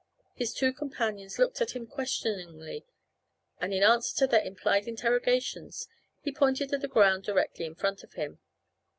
His two companions looked at him questioningly, and in answer to their implied interrogations he pointed at the ground directly in front of him.